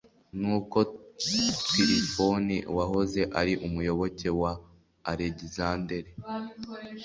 nuko tirifoni wahoze ari umuyoboke wa alegisanderi